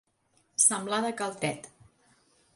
Semblar de cal Tet.